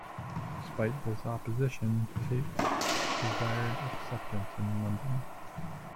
Despite this opposition, Tait desired acceptance in London.